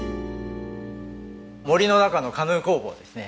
森の中のカヌー工房ですね。